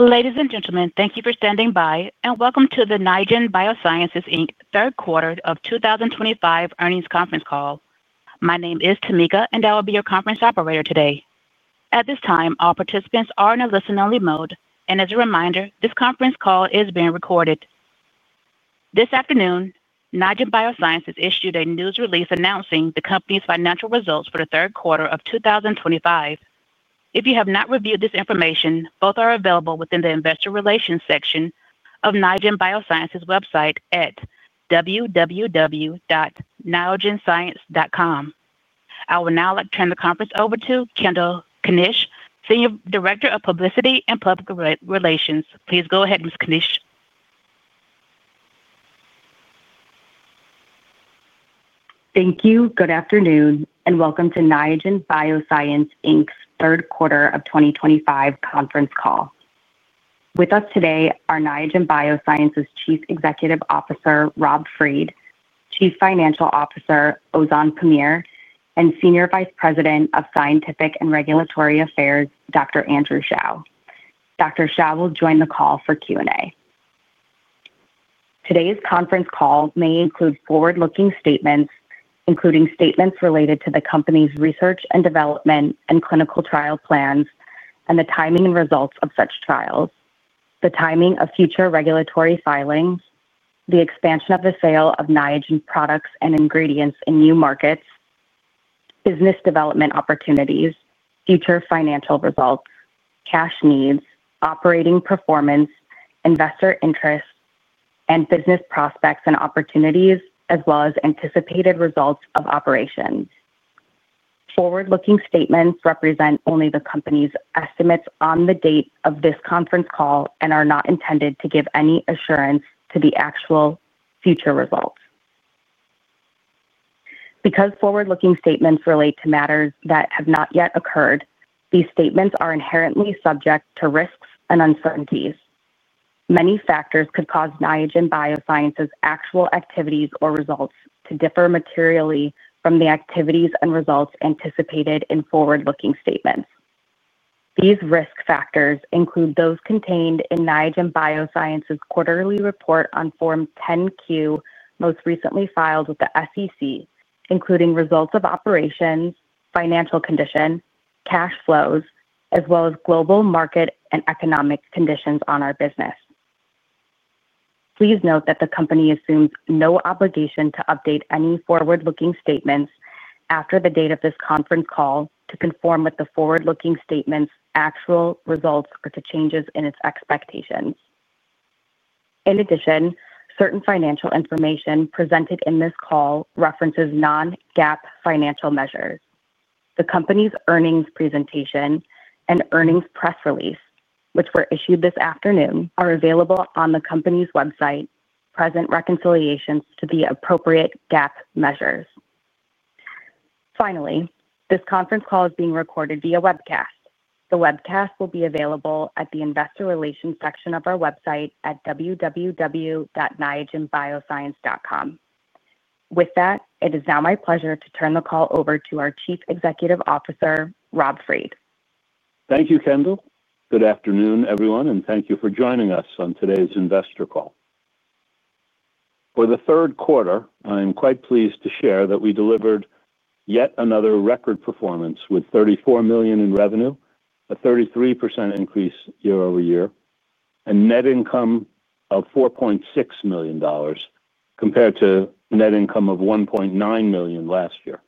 Ladies and gentlemen, thank you for standing by, and welcome to the Niagen Biosciences Inc. third quarter of 2025 earnings conference call. My name is Tamika, and I will be your conference operator today. At this time, all participants are in a listen-only mode, and as a reminder, this conference call is being recorded. This afternoon, Niagen Biosciences issued a news release announcing the company's financial results for the third quarter of 2025. If you have not reviewed this information, both are available within the investor relations section of Niagen Biosciences' website at www.niagenscience.com. I will now turn the conference over to Kendall Knysch, Senior Director of Publicity and Public Relations. Please go ahead, Ms. Knysch. Thank you. Good afternoon, and welcome to Niagen Biosciences Inc.'s third quarter of 2025 conference call. With us today are Niagen Biosciences' Chief Executive Officer, Rob Fried, Chief Financial Officer, Ozan Pamir, and Senior Vice President of Scientific and Regulatory Affairs, Dr. Andrew Shao. Dr. Shao will join the call for Q&A. Today's conference call may include forward-looking statements, including statements related to the company's research and development and clinical trial plans, and the timing and results of such trials, the timing of future regulatory filings, the expansion of the sale of Niagen products and ingredients in new markets. Business development opportunities, future financial results, cash needs, operating performance, investor interest, and business prospects and opportunities, as well as anticipated results of operations. Forward-looking statements represent only the company's estimates on the date of this conference call and are not intended to give any assurance to the actual future results. Because forward-looking statements relate to matters that have not yet occurred, these statements are inherently subject to risks and uncertainties. Many factors could cause Niagen Biosciences' actual activities or results to differ materially from the activities and results anticipated in forward-looking statements. These risk factors include those contained in Niagen Biosciences' quarterly report on Form 10-Q most recently filed with the SEC, including results of operations, financial condition, cash flows, as well as global market and economic conditions on our business. Please note that the company assumes no obligation to update any forward-looking statements after the date of this conference call to conform with the forward-looking statements' actual results or to changes in its expectations. In addition, certain financial information presented in this call references non-GAAP financial measures. The company's earnings presentation and earnings press release, which were issued this afternoon, are available on the company's website, present reconciliations to the appropriate GAAP measures. Finally, this conference call is being recorded via webcast. The webcast will be available at the investor relations section of our website at www.niagenbiosciences.com. With that, it is now my pleasure to turn the call over to our Chief Executive Officer, Rob Fried. Thank you, Kendall. Good afternoon, everyone, and thank you for joining us on today's investor call. For the third quarter, I am quite pleased to share that we delivered yet another record performance with $34 million in revenue, a 33% increase year-over-year, and a net income of $4.6 million compared to a net income of $1.9 million last year.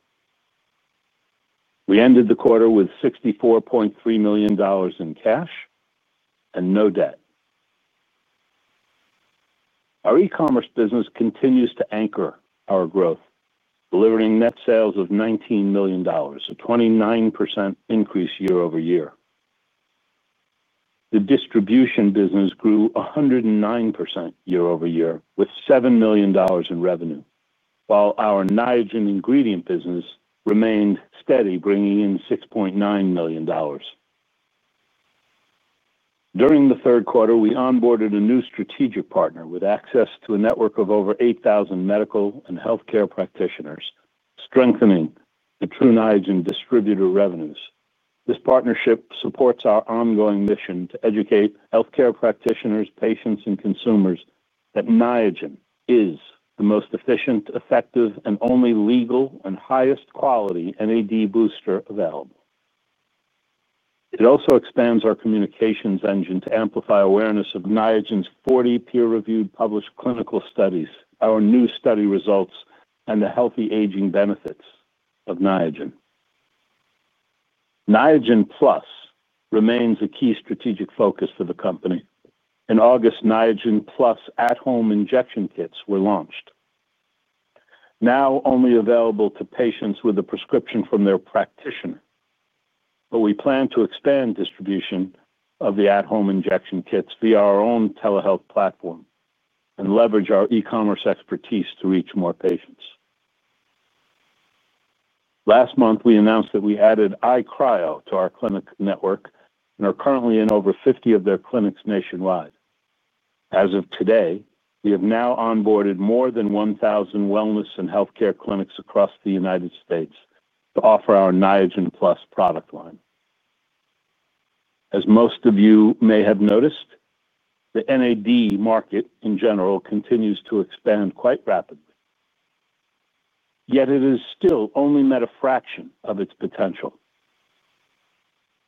We ended the quarter with $64.3 million in cash and no debt. Our e-commerce business continues to anchor our growth, delivering net sales of $19 million, a 29% increase year-over-year. The distribution business grew 109% year-over-year with $7 million in revenue, while our Niagen ingredient business remained steady, bringing in $6.9 million. During the third quarter, we onboarded a new strategic partner with access to a network of over 8,000 medical and healthcare practitioners, strengthening the Tru Niagen distributor revenues. This partnership supports our ongoing mission to educate healthcare practitioners, patients, and consumers that Niagen is the most efficient, effective, and only legal and highest quality NAD booster available. It also expands our communications engine to amplify awareness of Niagen's 40 peer-reviewed published clinical studies, our new study results, and the healthy aging benefits of Niagen. Niagen Plus remains a key strategic focus for the company. In August, Niagen Plus at-home injection kits were launched now only available to patients with a prescription from their practitioner but we plan to expand distribution of the at-home injection kits via our own telehealth platform and leverage our e-commerce expertise to reach more patients. Last month, we announced that we added iCRYO to our clinic network and are currently in over 50 of their clinics nationwide. As of today, we have now onboarded more than 1,000 wellness and healthcare clinics across the United States to offer our Niagen Plus product line. As most of you may have noticed, the NAD market in general continues to expand quite rapidly yet it has still only met a fraction of its potential.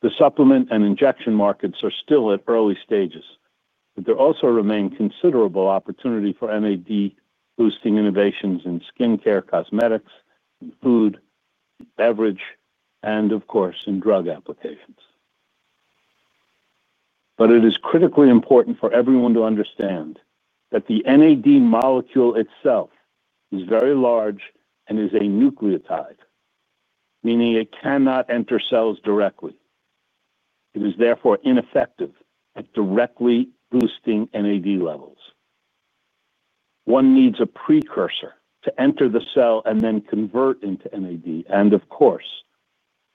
The supplement and injection markets are still at early stages, but there also remain considerable opportunity for NAD-boosting innovations in skincare, cosmetics, food, beverage, and of course, in drug applications but it is critically important for everyone to understand that the NAD molecule itself is very large and is a nucleotide, meaning it cannot enter cells directly. It is therefore ineffective at directly boosting NAD levels. One needs a precursor to enter the cell and then convert into NAD, and of course,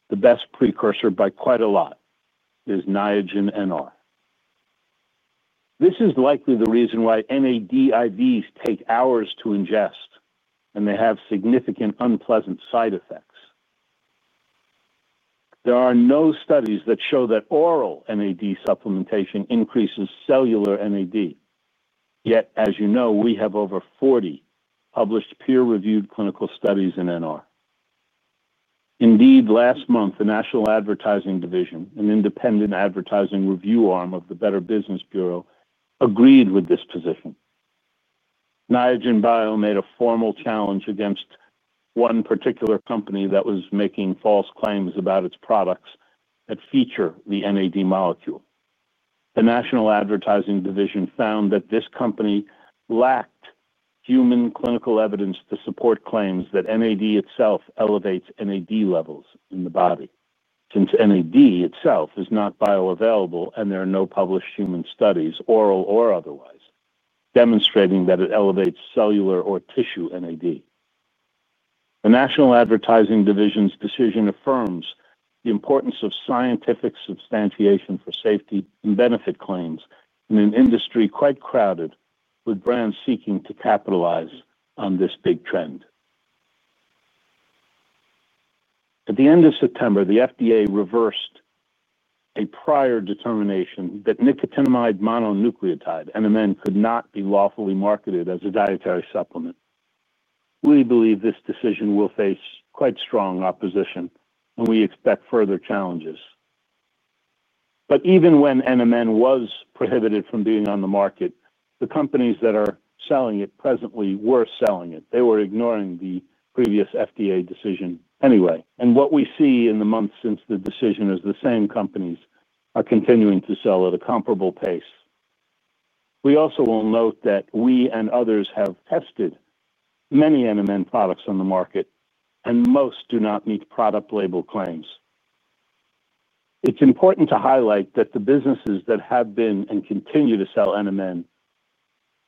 the best precursor by quite a lot is Niagen NR. This is likely the reason why NAD IVs take hours to ingest, and they have significant unpleasant side effects. There are no studies that show that oral NAD supplementation increases cellular NAD. Yet, as you know, we have over 40 published peer-reviewed clinical studies in NR. Indeed, last month, the National Advertising Division, an independent advertising review arm of the Better Business Bureau, agreed with this position. Niagen Biosciences made a formal challenge against. One particular company that was making false claims about its products that feature the NAD molecule. The National Advertising Division found that this company lacked human clinical evidence to support claims that NAD itself elevates NAD levels in the body since NAD itself is not bioavailable and there are no published human studies, oral or otherwise, demonstrating that it elevates cellular or tissue NAD. The National Advertising Division's decision affirms the importance of scientific substantiation for safety and benefit claims in an industry quite crowded with brands seeking to capitalize on this big trend. At the end of September, the FDA reversed a prior determination that nicotinamide mononucleotide, NMN, could not be lawfully marketed as a dietary supplement. We believe this decision will face quite strong opposition, and we expect further challenges but even when NMN was prohibited from being on the market, the companies that are selling it presently were selling it. They were ignoring the previous FDA decision anyway, and what we see in the months since the decision is the same companies are continuing to sell at a comparable pace. We also will note that we and others have tested many NMN products on the market, and most do not meet product label claims. It's important to highlight that the businesses that have been and continue to sell NMN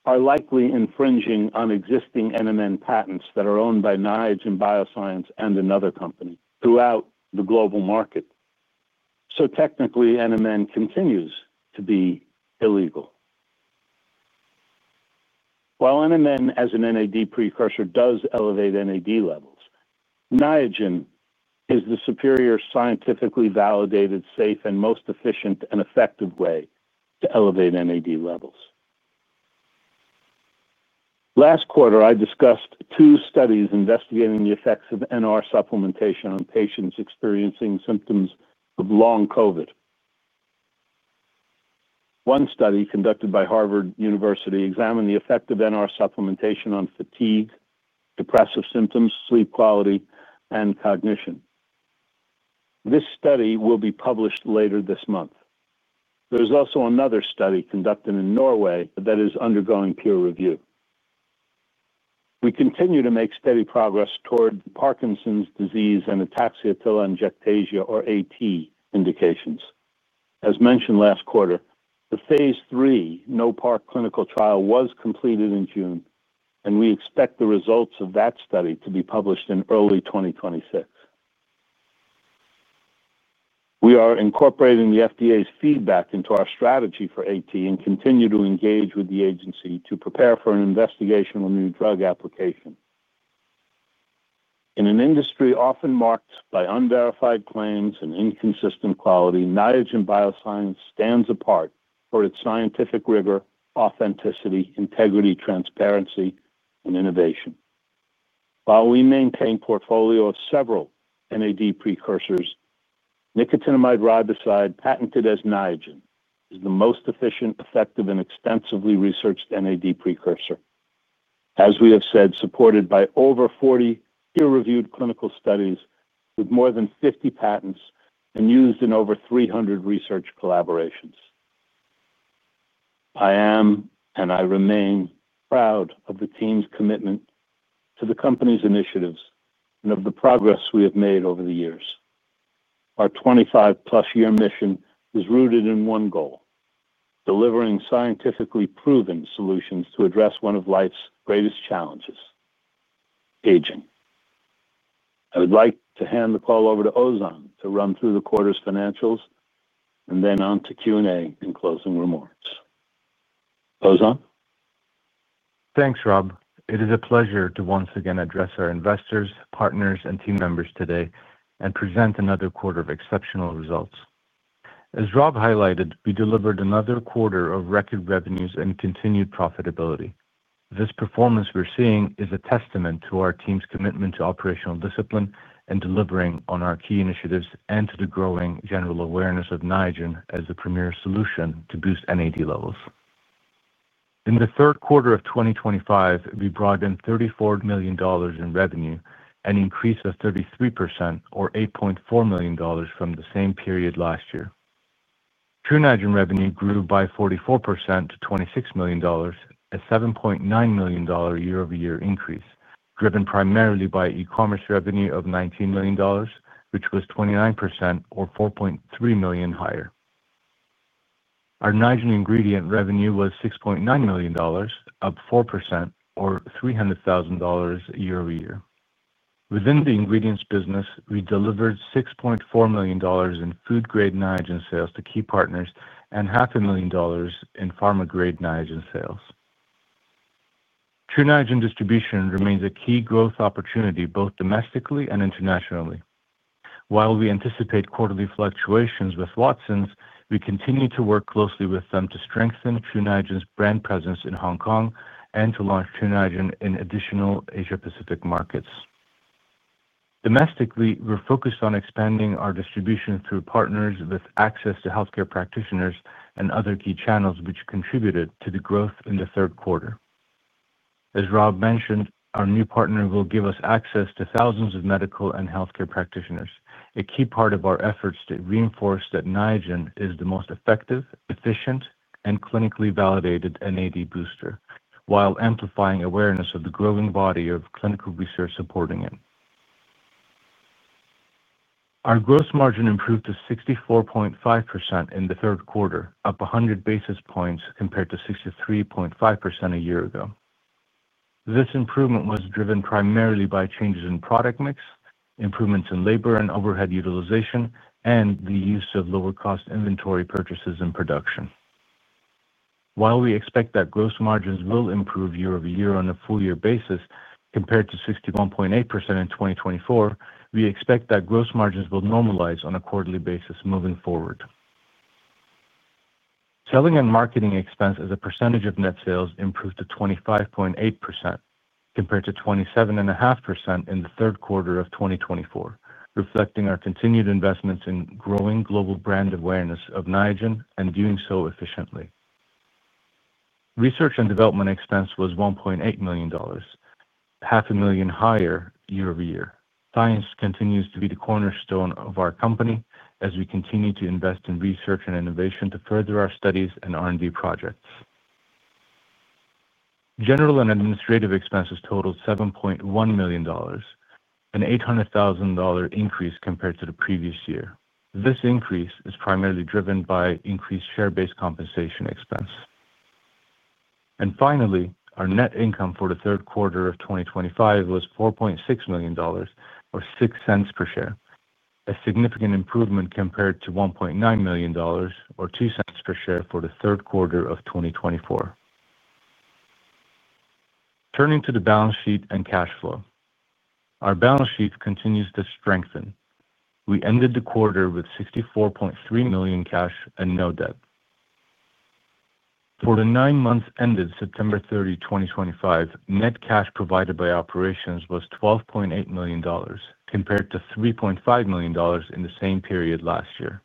are likely infringing on existing NMN patents that are owned by Niagen Biosciences and another company throughout the global market, so technically, NMN continues to be illegal. While NMN, as an NAD precursor, does elevate NAD levels, Niagen is the superior scientifically validated, safe, and most efficient and effective way to elevate NAD levels. Last quarter, I discussed two studies investigating the effects of NR supplementation on patients experiencing symptoms of long COVID. One study conducted by Harvard University examined the effect of NR supplementation on fatigue, depressive symptoms, sleep quality, and cognition. This study will be published later this month. There is also another study conducted in Norway that is undergoing peer review. We continue to make steady progress toward Parkinson's disease and ataxia-telangiectasia, or AT, indications. As mentioned last quarter, the phase III NOPARK clinical trial was completed in June, and we expect the results of that study to be published in early 2026. We are incorporating the FDA's feedback into our strategy for AT and continue to engage with the agency to prepare for an investigational new drug application. In an industry often marked by unverified claims and inconsistent quality, Niagen Biosciences stands apart for its scientific rigor, authenticity, integrity, transparency, and innovation. While we maintain a portfolio of several NAD precursors, nicotinamide riboside, patented as Niagen, is the most efficient, effective, and extensively researched NAD precursor. As we have said, supported by over 40 peer-reviewed clinical studies with more than 50 patents and used in over 300 research collaborations. I am, and I remain, proud of the team's commitment to the company's initiatives and of the progress we have made over the years. Our 25+ year mission is rooted in one goal: delivering scientifically proven solutions to address one of life's greatest challenges. Aging. I would like to hand the call over to Ozan to run through the quarter's financials and then on to Q&A and closing remarks. Ozan? Thanks, Rob. It is a pleasure to once again address our investors, partners, and team members today and present another quarter of exceptional results. As Rob highlighted, we delivered another quarter of record revenues and continued profitability. This performance we're seeing is a testament to our team's commitment to operational discipline and delivering on our key initiatives and to the growing general awareness of Niagen as the premier solution to boost NAD levels. In the third quarter of 2025, we brought in $34 million in revenue, an increase of 33%, or $8.4 million from the same period last year. Tru Niagen revenue grew by 44% to $26 million, a $7.9 million year-over-year increase, driven primarily by e-commerce revenue of $19 million, which was 29%, or $4.3 million higher. Our Niagen ingredient revenue was $6.9 million, up 4%, or $300,000 year-over-year. Within the ingredients business, we delivered $6.4 million in food-grade Niagen sales to key partners and $500,000 in pharma-grade Niagen sales. Tru Niagen distribution remains a key growth opportunity both domestically and internationally. While we anticipate quarterly fluctuations with Watson's, we continue to work closely with them to strengthen Tru Niagen's brand presence in Hong Kong and to launch Tru Niagen in additional Asia-Pacific markets. Domestically, we're focused on expanding our distribution through partners with access to healthcare practitioners and other key channels, which contributed to the growth in the third quarter. As Rob mentioned, our new partner will give us access to thousands of medical and healthcare practitioners, a key part of our efforts to reinforce that Niagen is the most effective, efficient, and clinically validated NAD booster, while amplifying awareness of the growing body of clinical research supporting it. Our gross margin improved to 64.5% in the third quarter, up 100 basis points compared to 63.5% a year ago. This improvement was driven primarily by changes in product mix, improvements in labor and overhead utilization, and the use of lower-cost inventory purchases in production. While we expect that gross margins will improve year-over-year on a full-year basis compared to 61.8% in 2024, we expect that gross margins will normalize on a quarterly basis moving forward. Selling and marketing expense as a percentage of net sales improved to 25.8% compared to 27.5% in the third quarter of 2024, reflecting our continued investments in growing global brand awareness of Niagen and doing so efficiently. Research and development expense was $1.8 million, $500,000 higher year-over-year. Science continues to be the cornerstone of our company as we continue to invest in research and innovation to further our studies and R&D projects. General and administrative expenses totaled $7.1 million, an $800,000 increase compared to the previous year. This increase is primarily driven by increased share-based compensation expense. And finally, our net income for the third quarter of 2025 was $4.6 million, or $0.06 per share, a significant improvement compared to $1.9 million, or $0.02 per share, for the third quarter of 2024. Turning to the balance sheet and cash flow. Our balance sheet continues to strengthen. We ended the quarter with $64.3 million cash and no debt. For the nine months ended September 30, 2025, net cash provided by operations was $12.8 million compared to $3.5 million in the same period last year.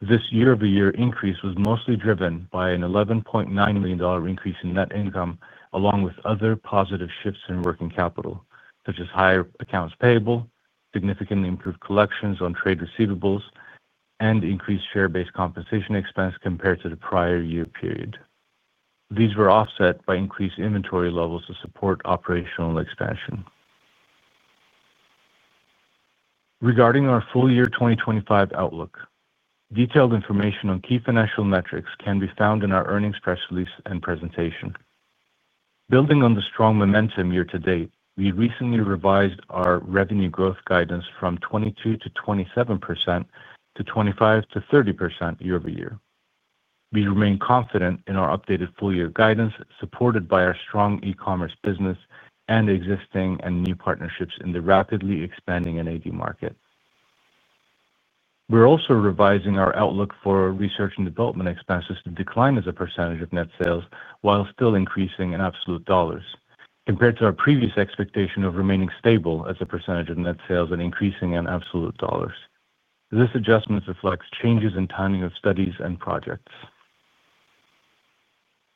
This year-over-year increase was mostly driven by an $11.9 million increase in net income, along with other positive shifts in working capital, such as higher accounts payable, significantly improved collections on trade receivables, and increased share-based compensation expense compared to the prior year period. These were offset by increased inventory levels to support operational expansion. Regarding our full-year 2025 outlook, detailed information on key financial metrics can be found in our earnings press release and presentation. Building on the strong momentum year to date, we recently revised our revenue growth guidance from 22%-27% to 25%-30% year-over-year. We remain confident in our updated full-year guidance, supported by our strong e-commerce business and existing and new partnerships in the rapidly expanding NAD market. We're also revising our outlook for research and development expenses to decline as a percentage of net sales while still increasing in absolute dollars compared to our previous expectation of remaining stable as a percentage of net sales and increasing in absolute dollars. This adjustment reflects changes in timing of studies and projects.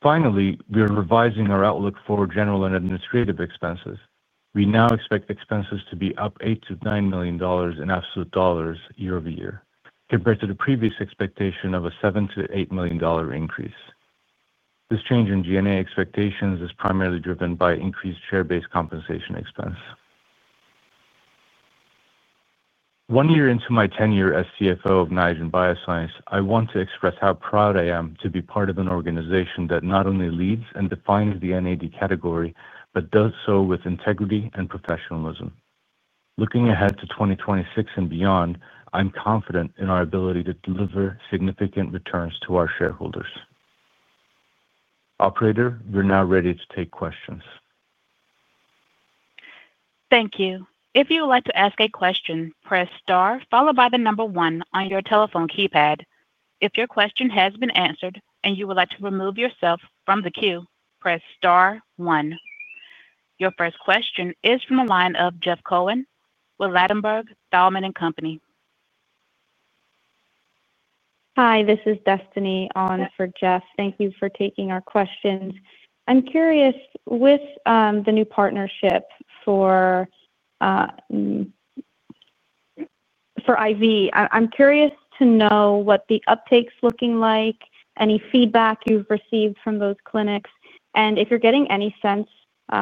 Finally, we are revising our outlook for general and administrative expenses. We now expect expenses to be up $8 million-$9 million in absolute dollars year-over-year compared to the previous expectation of a $7 million-$8 million increase. This change in G&A expectations is primarily driven by increased share-based compensation expense. One year into my tenure as CFO of Niagen Biosciences, I want to express how proud I am to be part of an organization that not only leads and defines the NAD category but does so with integrity and professionalism. Looking ahead to 2026 and beyond, I'm confident in our ability to deliver significant returns to our shareholders. Operator, you're now ready to take questions. Thank you. If you would like to ask a question, press star followed by the number one on your telephone keypad. If your question has been answered and you would like to remove yourself from the queue, press star one. Your first question is from the line of Jeff Cohen with Ladenburg Thalmann & Company. Hi, this is Destiny on for Jeff. Thank you for taking our questions. I'm curious, with the new partnership for IV, I'm curious to know what the uptake's looking like, any feedback you've received from those clinics, and if you're getting any sense,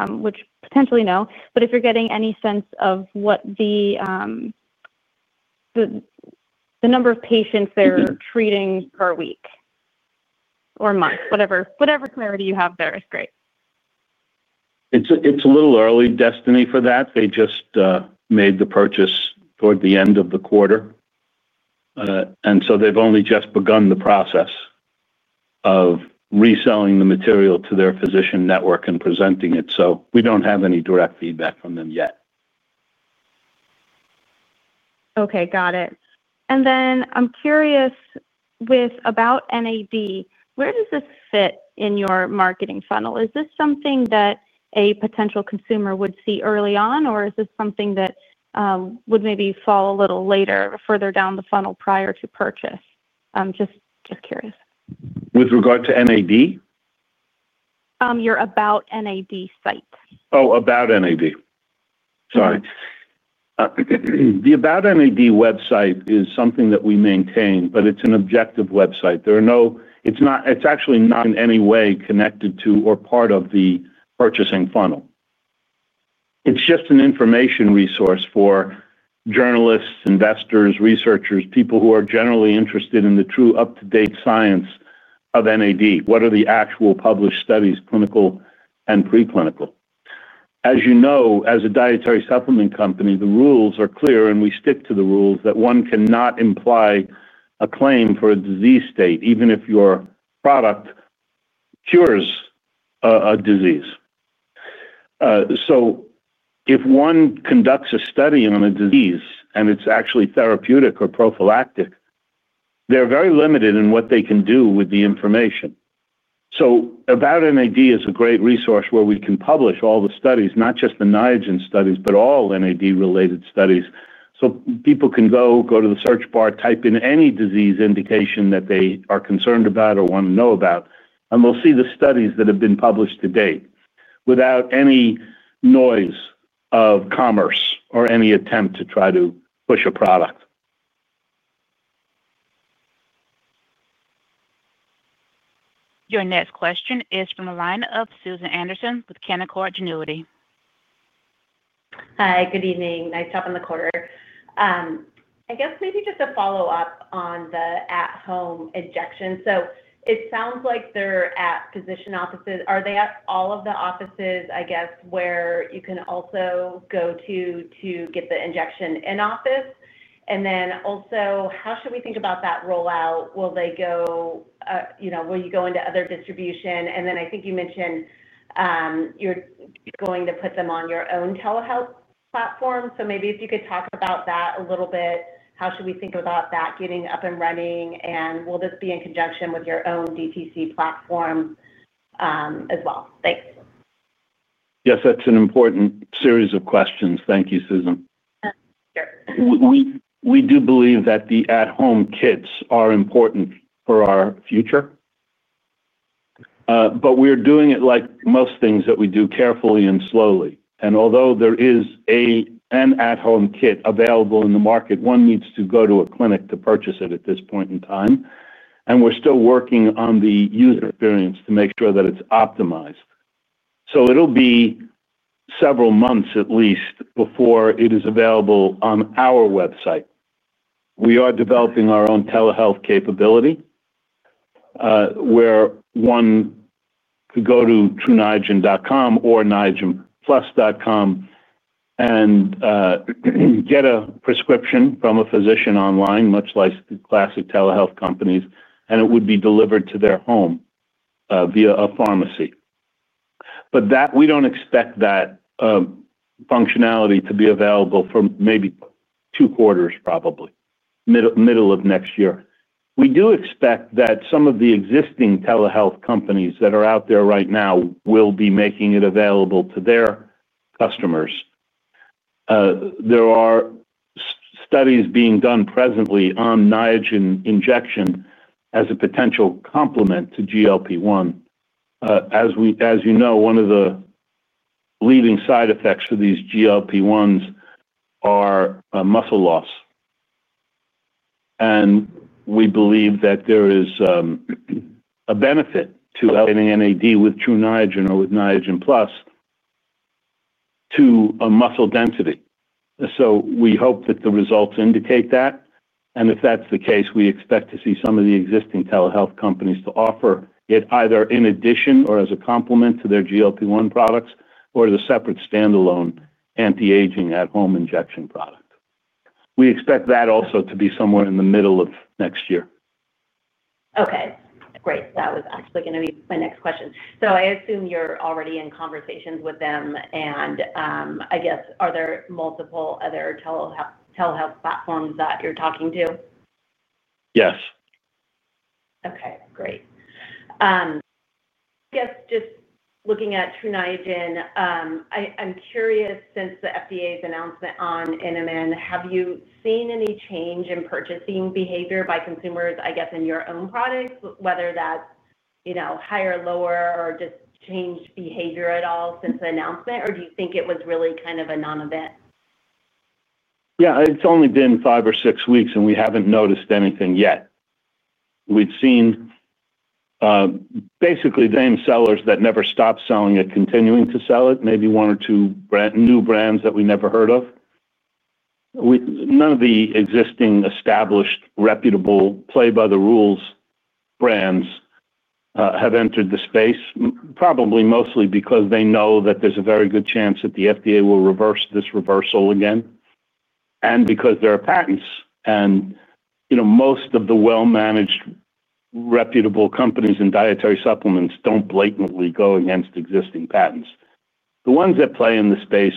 which potentially no, but if you're getting any sense of what the number of patients they're treating per week or month, whatever clarity you have there is great. It's a little early, Destiny, for that. They just made the purchase toward the end of the quarter. And so they've only just begun the process of reselling the material to their physician network and presenting it. So we don't have any direct feedback from them yet. Okay, got it, and then I'm curious about NAD. Where does this fit in your marketing funnel? Is this something that a potential consumer would see early on, or is this something that would maybe fall a little later, further down the funnel prior to purchase? Just curious. With regard to NAD? Your About NAD site. Oh, About NAD. Sorry. The About NAD website is something that we maintain, but it's an objective website. It's actually not in any way connected to or part of the purchasing funnel. It's just an information resource for journalists, investors, researchers, people who are generally interested in the true up-to-date science of NAD, what are the actual published studies, clinical and preclinical. As you know, as a dietary supplement company, the rules are clear, and we stick to the rules that one cannot imply a claim for a disease state, even if your product cures a disease. So if one conducts a study on a disease and it's actually therapeutic or prophylactic, they're very limited in what they can do with the information. So About NAD is a great resource where we can publish all the studies, not just the Niagen studies, but all NAD-related studies. So people can go to the search bar, type in any disease indication that they are concerned about or want to know about, and they'll see the studies that have been published to date without any noise of commerce or any attempt to try to push a product. Your next question is from the line of Susan Anderson with Canaccord Genuity. Hi, good evening. Nice to have you on the call. I guess maybe just a follow-up on the at-home injection. So it sounds like they're at physician offices. Are they at all of the offices, I guess, where you can also go to to get the injection in-office? And then also, how should we think about that rollout? Will they go. Will you go into other distribution? And then I think you mentioned. You're going to put them on your own telehealth platform. So maybe if you could talk about that a little bit, how should we think about that getting up and running? And will this be in conjunction with your own DTC platform as well? Thanks. Yes, that's an important series of questions. Thank you, Susan. Sure. We do believe that the at-home kits are important for our future. But we're doing it like most things that we do, carefully and slowly. And although there is an at-home kit available in the market, one needs to go to a clinic to purchase it at this point in time. And we're still working on the user experience to make sure that it's optimized. So it'll be several months at least before it is available on our website. We are developing our own telehealth capability. Where one could go to trueniagen.com or niagenplus.com. And get a prescription from a physician online, much like the classic telehealth companies, and it would be delivered to their home via a pharmacy. But we don't expect that functionality to be available for maybe two quarters, probably middle of next year. We do expect that some of the existing telehealth companies that are out there right now will be making it available to their customers. There are studies being done presently on Niagen injection as a potential complement to GLP-1. As you know, one of the leading side effects for these GLP-1s are muscle loss. And we believe that there is a benefit to elevating NAD with Tru Niagen or with Niagen Plus to a muscle density. So we hope that the results indicate that. And if that's the case, we expect to see some of the existing telehealth companies to offer it either in addition or as a complement to their GLP-1 products or the separate standalone anti-aging at-home injection product. We expect that also to be somewhere in the middle of next year. Okay. Great. That was actually going to be my next question. So I assume you're already in conversations with them. And I guess, are there multiple other telehealth platforms that you're talking to? Yes. Okay. Great. I guess just looking at Tru Niagen, I'm curious, since the FDA's announcement on NMN, have you seen any change in purchasing behavior by consumers, I guess, in your own products, whether that's higher, lower, or just changed behavior at all since the announcement? Or do you think it was really kind of a non-event? Yeah. It's only been five or six weeks, and we haven't noticed anything yet. We've seen basically the same sellers that never stopped selling it, continuing to sell it, maybe one or two new brands that we never heard of. None of the existing established, reputable, play-by-the-rules brands have entered the space, probably mostly because they know that there's a very good chance that the FDA will reverse this reversal again. And because there are patents. And most of the well-managed, reputable companies in dietary supplements don't blatantly go against existing patents. The ones that play in the space.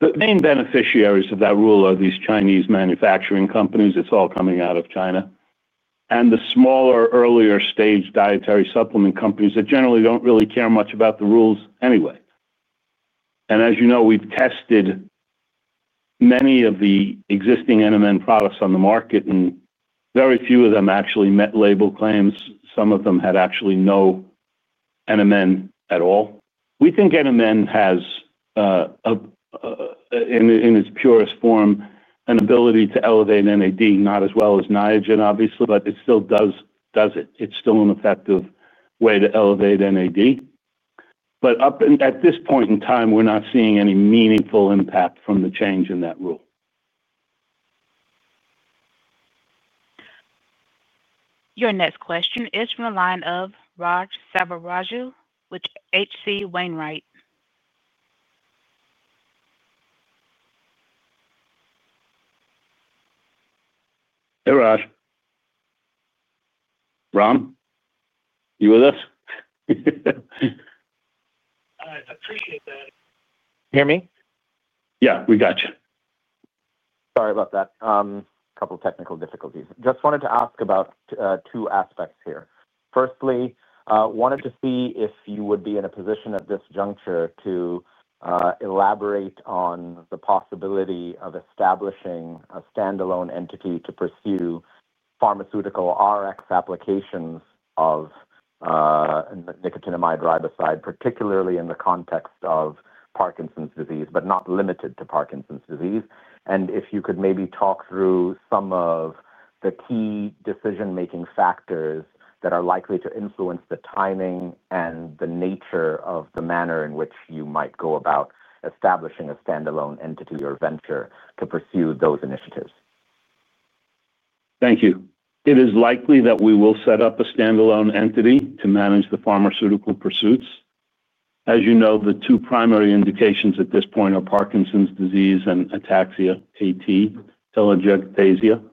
The main beneficiaries of that rule are these Chinese manufacturing companies. It's all coming out of China. And the smaller, earlier-stage dietary supplement companies that generally don't really care much about the rules anyway. And as you know, we've tested many of the existing NMN products on the market, and very few of them actually met label claims. Some of them had actually no NMN at all. We think NMN has, in its purest form, an ability to elevate NAD, not as well as Niagen, obviously, but it still does it. It's still an effective way to elevate NAD. But at this point in time, we're not seeing any meaningful impact from the change in that rule. Your next question is from the line of Ram Selvaraju, H.C. Wainwright. Ram. You with us? I appreciate that. Can you hear me? Yeah. We got you. Sorry about that. A couple of technical difficulties. Just wanted to ask about two aspects here. Firstly, wanted to see if you would be in a position at this juncture to elaborate on the possibility of establishing a standalone entity to pursue pharmaceutical Rx applications of nicotinamide riboside, particularly in the context of Parkinson's disease, but not limited to Parkinson's disease. And if you could maybe talk through some of the key decision-making factors that are likely to influence the timing and the nature of the manner in which you might go about establishing a standalone entity or venture to pursue those initiatives. Thank you. It is likely that we will set up a standalone entity to manage the pharmaceutical pursuits. As you know, the two primary indications at this point are Parkinson's disease and ataxia-telangiectasia, AT.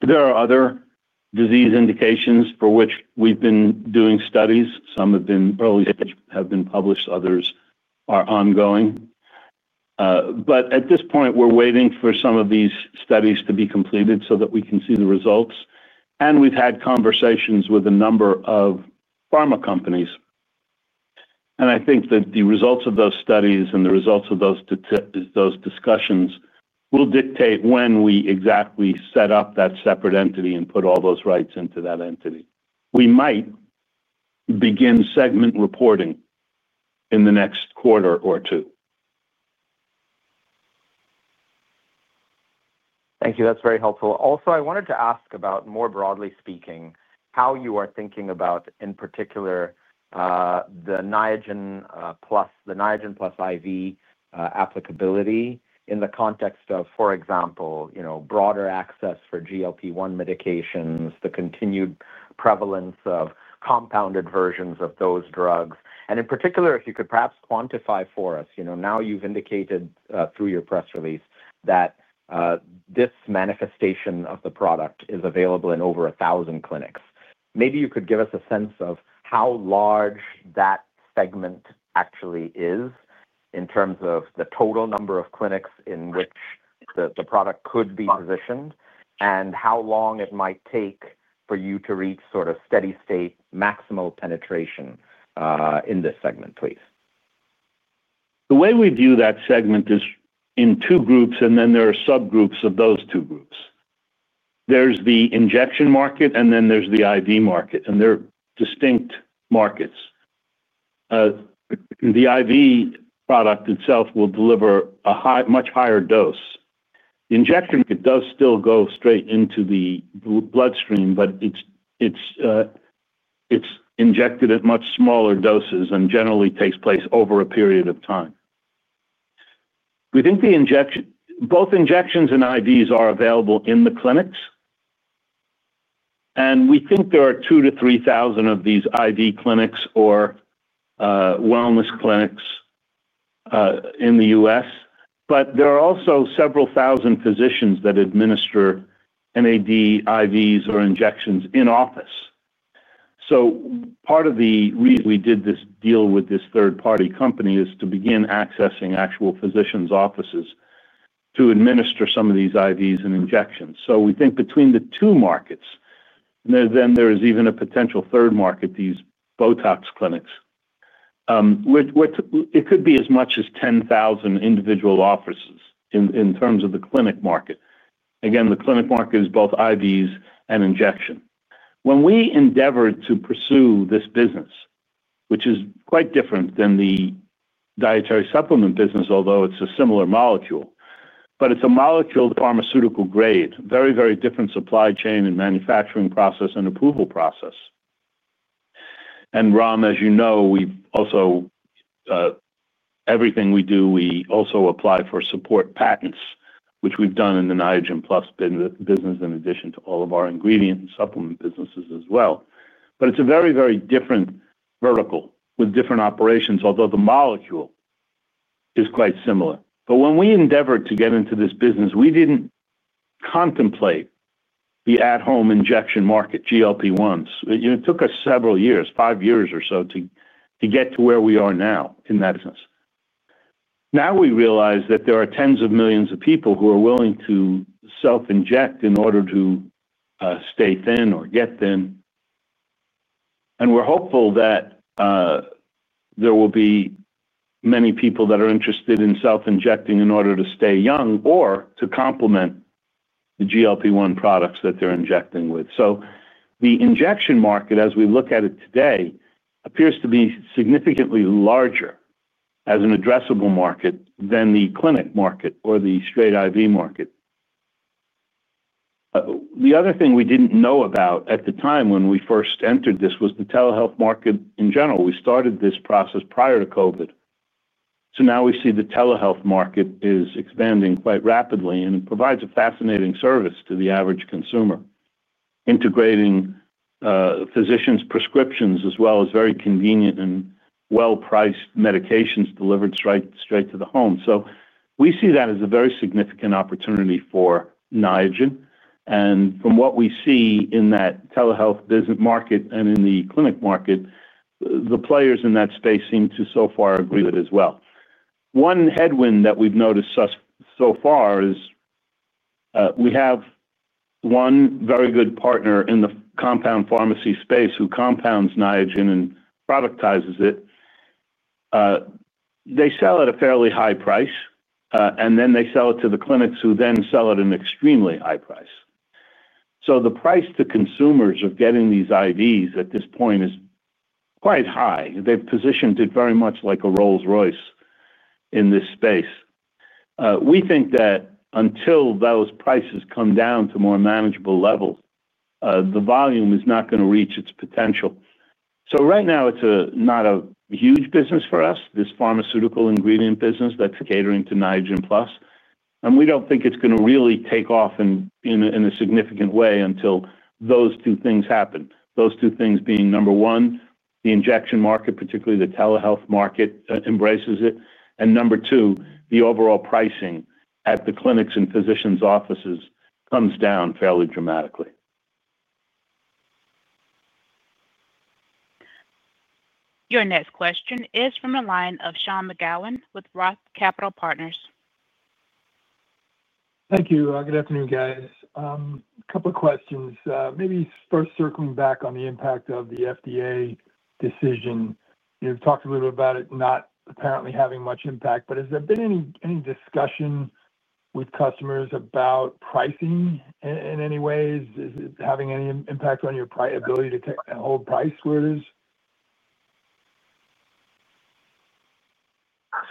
There are other disease indications for which we've been doing studies. Some have been early-stage, have been published. Others are ongoing, but at this point, we're waiting for some of these studies to be completed so that we can see the results, and we've had conversations with a number of pharma companies. And I think that the results of those studies and the results of those discussions will dictate when we exactly set up that separate entity and put all those rights into that entity. We might begin segment reporting in the next quarter or two. Thank you. That's very helpful. Also, I wanted to ask about, more broadly speaking, how you are thinking about, in particular, the Niagen Plus, the Niagen Plus IV applicability in the context of, for example, broader access for GLP-1 medications, the continued prevalence of compounded versions of those drugs. And in particular, if you could perhaps quantify for us, now you've indicated through your press release that this manifestation of the product is available in over 1,000 clinics. Maybe you could give us a sense of how large that segment actually is in terms of the total number of clinics in which the product could be positioned and how long it might take for you to reach sort of steady-state maximal penetration in this segment, please. The way we view that segment is in two groups, and then there are subgroups of those two groups. There's the injection market, and then there's the IV market. And they're distinct markets. The IV product itself will deliver a much higher dose. The injection market does still go straight into the bloodstream, but it's injected at much smaller doses and generally takes place over a period of time. We think both injections and IVs are available in the clinics. And we think there are 2,000-3,000 of these IV clinics or wellness clinics in the U.S. But there are also several thousand physicians that administer NAD IVs or injections in office. So part of the reason we did this deal with this third-party company is to begin accessing actual physicians' offices to administer some of these IVs and injections. So we think between the two markets, and then there is even a potential third market, these Botox clinics. It could be as much as 10,000 individual offices in terms of the clinic market. Again, the clinic market is both IVs and injection. When we endeavored to pursue this business, which is quite different than the dietary supplement business, although it's a similar molecule, but it's a molecule pharmaceutical grade, very, very different supply chain and manufacturing process and approval process. And Ram, as you know, we also everything we do, we also apply for support patents, which we've done in the Niagen Plus business in addition to all of our ingredient and supplement businesses as well. But it's a very, very different vertical with different operations, although the molecule is quite similar. But when we endeavored to get into this business, we didn't contemplate the at-home injection market, GLP-1s. It took us several years, five years or so, to get to where we are now in that business. Now we realize that there are tens of millions of people who are willing to self-inject in order to stay thin or get thin. And we're hopeful that there will be many people that are interested in self-injecting in order to stay young or to complement the GLP-1 products that they're injecting with. So the injection market, as we look at it today, appears to be significantly larger as an addressable market than the clinic market or the straight IV market. The other thing we didn't know about at the time when we first entered this was the telehealth market in general. We started this process prior to COVID. So now we see the telehealth market is expanding quite rapidly, and it provides a fascinating service to the average consumer. Integrating physicians' prescriptions as well as very convenient and well-priced medications delivered straight to the home. So we see that as a very significant opportunity for Niagen. And from what we see in that telehealth market and in the clinic market, the players in that space seem to so far agree with it as well. One headwind that we've noticed so far is one very good partner in the compound pharmacy space who compounds Niagen and productizes it. They sell at a fairly high price, and then they sell it to the clinics who then sell it at an extremely high price, so the price to consumers of getting these IVs at this point is quite high. They've positioned it very much like a Rolls-Royce in this space. We think that until those prices come down to more manageable levels, the volume is not going to reach its potential. So right now, it's not a huge business for us, this pharmaceutical ingredient business that's catering to Niagen Plus, and we don't think it's going to really take off in a significant way until those two things happen. Those two things being number one, the injection market, particularly the telehealth market, embraces it, and number two, the overall pricing at the clinics and physicians' offices comes down fairly dramatically. Your next question is from the line of Sean McGowan with ROTH Capital Partners. Thank you. Good afternoon, guys. A couple of questions. Maybe first circling back on the impact of the FDA decision. You've talked a little bit about it not apparently having much impact, but has there been any discussion with customers about pricing in any ways? Is it having any impact on your ability to hold price where it is?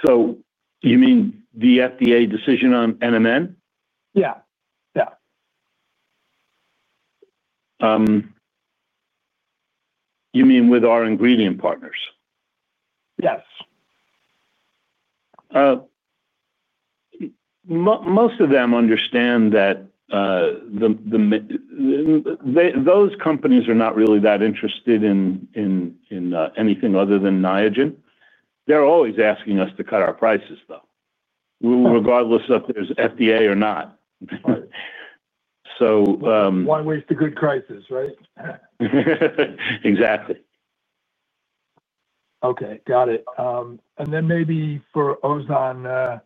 So you mean the FDA decision on NMN? Yeah. Yeah. You mean with our ingredient partners? Yes. Most of them understand that. Those companies are not really that interested in anything other than Niagen. They're always asking us to cut our prices, though, regardless of if there's FDA or not. One way to good prices, right? Exactly. Okay. Got it. And then maybe for Ozan.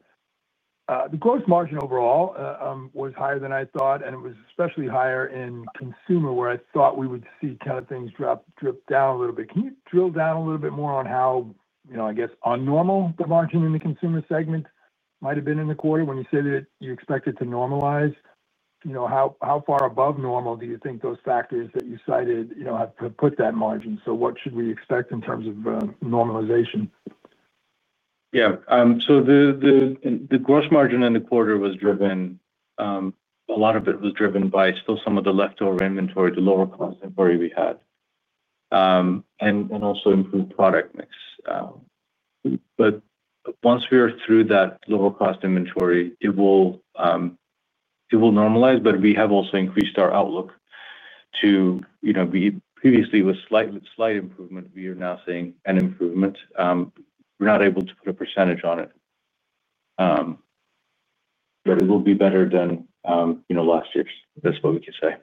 The gross margin overall was higher than I thought, and it was especially higher in consumer where I thought we would see kind of things drip down a little bit. Can you drill down a little bit more on how, I guess, un-normal the margin in the consumer segment might have been in the quarter when you say that you expect it to normalize? How far above normal do you think those factors that you cited have put that margin? So what should we expect in terms of normalization? Yeah. So. The gross margin in the quarter was driven. A lot of it was driven by still some of the leftover inventory, the lower-cost inventory we had. And also improved product mix. But once we are through that lower-cost inventory, it will normalize, but we have also increased our outlook to. Previously, it was slight improvement. We are now seeing an improvement. We're not able to put a percentage on it. But it will be better than last year. That's what we can say.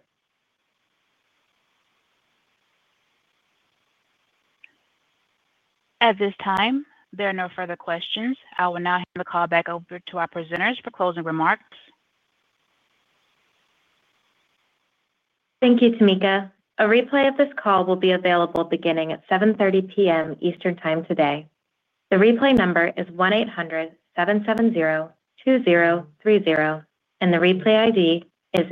At this time, there are no further questions. I will now hand the call back over to our presenters for closing remarks. Thank you, Tamika. A replay of this call will be available beginning at 7:30 P.M. Eastern Time today. The replay number is 1-800-770-2030, and the replay ID is.